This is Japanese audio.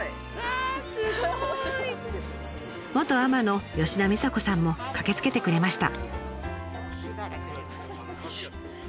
元海女の吉田美佐子さんも駆けつけてくれました。